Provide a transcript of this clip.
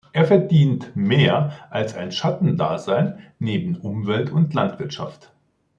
Er verdient mehr als ein Schattendasein neben Umwelt und Landwirtschaft.